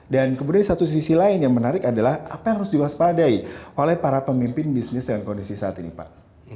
dan kemudian di satu sisi lain yang menarik adalah apa yang harus dijelaskan oleh para pemimpin bisnis dengan kondisi saat ini pak